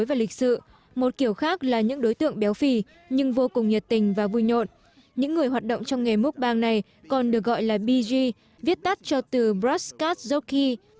và vui nhộn những người hoạt động trong nghề múc băng này còn được gọi là bj viết tắt cho từ brad scott zocchi